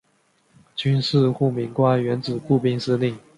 军事护民官原指步兵司令。